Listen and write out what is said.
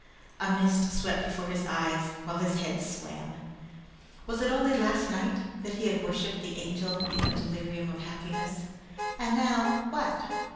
A mist swept before his eyes, while his head swam. Was it only last night that he had worshiped the Angel in a delirium of happiness? And now, what?